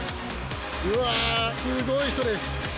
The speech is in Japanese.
うわー、すごい人です。